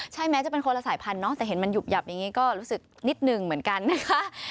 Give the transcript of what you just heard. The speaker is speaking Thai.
ใช่แม้จะเป็นคนละสายพันธุเนาะแต่เห็นมันหยุบหยับอย่างนี้ก็รู้สึกนิดหนึ่งเหมือนกันนะคะ